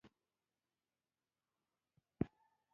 نوې پیسې انسان ته خوشالي ورکوي